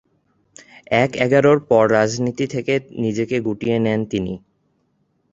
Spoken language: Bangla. এক-এগারোর পর রাজনীতি থেকে নিজেকে গুটিয়ে নেন তিনি।